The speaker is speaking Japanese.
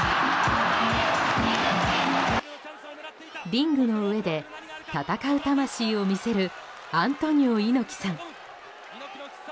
リングの上で闘う魂を見せるアントニオ猪木さん。